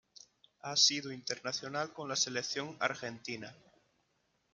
Ha sido internacional con la Selección Argentina.